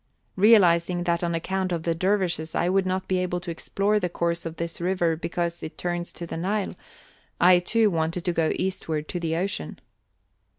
Realizing that on account of the dervishes I would not be able to explore the course of this river because it turns to the Nile, I, too, wanted to go eastward to the ocean."